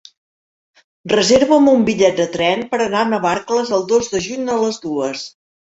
Reserva'm un bitllet de tren per anar a Navarcles el dos de juny a les dues.